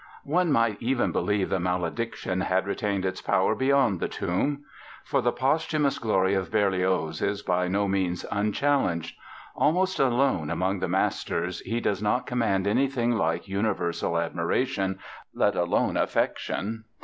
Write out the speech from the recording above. One might even believe the malediction had retained its power beyond the tomb. For the posthumous glory of Berlioz is by no means unchallenged. Almost alone among the masters he does not command anything like universal admiration, let alone affection.